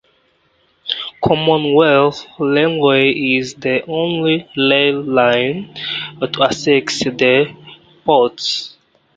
Commonwealth Railway is the only rail line to access the port.